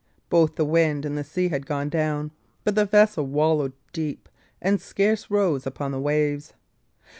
Both the wind and the sea had gone down; but the vessel wallowed deep, and scarce rose upon the waves.